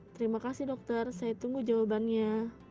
terima kasih dokter saya tunggu jawabannya